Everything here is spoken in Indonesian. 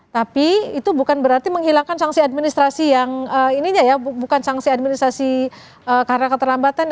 tapi itu bukan berarti menghilangkan sanksi administrasi yang ininya ya bukan sanksi administrasi karena keterlambatan